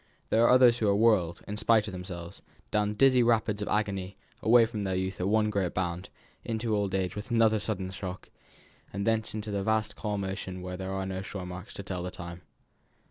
There are others who are whirled, in spite of themselves, down dizzy rapids of agony away from their youth at one great bound, into old age with another sudden shock; and thence into the vast calm ocean where there are no shore marks to tell of time.